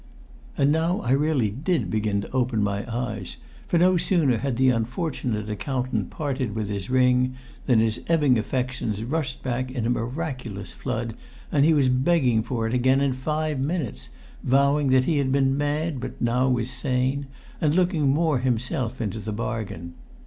And now I really did begin to open my eyes; for no sooner had the unfortunate accountant parted with his ring, than his ebbing affections rushed back in a miraculous flood, and he was begging for it again in five minutes, vowing that he had been mad but now was sane, and looking more himself into the bargain.